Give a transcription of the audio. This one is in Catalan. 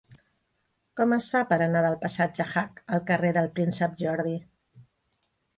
Com es fa per anar del passatge Hac al carrer del Príncep Jordi?